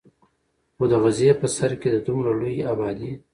خو د غرۀ پۀ سر کښې د دومره لوے ابادي